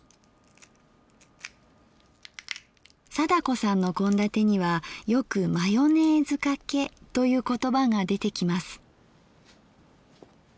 貞子さんの献立にはよく「マヨネーズかけ」という言葉が出てきます。